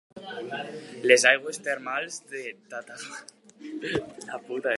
Les aigües termals de Tatopani són una altra atracció de Myagdi.